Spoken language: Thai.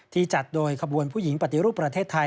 จัดโดยขบวนผู้หญิงปฏิรูปประเทศไทย